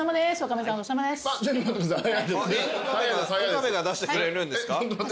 岡部が出してくれるんですか？